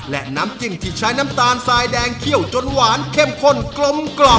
และน้ำจิ้มที่ใช้น้ำตาลทรายแดงเคี่ยวจนหวานเข้มข้นกลมกล่อม